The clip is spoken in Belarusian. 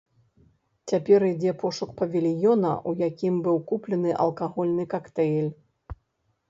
Цяпер ідзе пошук павільёна, у якім быў куплены алкагольны кактэйль.